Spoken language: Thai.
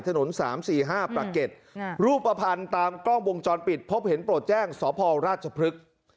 ถนน๓๔๕ประเก็ตรูปภัณฑ์ตามกล้องวงจรปิดพบเห็นโปรดแจ้งสพราชพฤกษ์